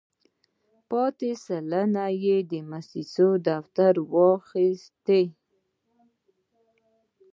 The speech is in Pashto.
پاتې سلنه یې د موسسې دفتر واخیستې.